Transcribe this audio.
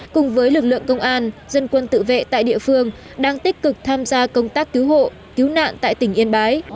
cùng với lực lượng công an dân quân tự vệ tại địa phương đang tích cực tham gia công tác cứu hộ cứu nạn tại tỉnh yên bái